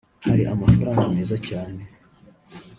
hari amafaranga meza cyane